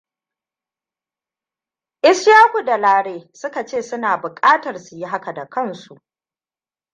Ishakua da Lare suka ce suna bukatar su yi haka da kansu.